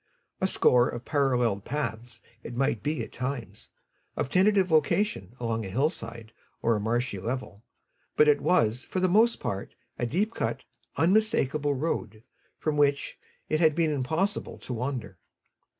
A score of paralled paths it might be at times, of tentative location along a hillside or a marshy level; but it was for the most part a deep cut, unmistakable road from which it had been impossible to wander.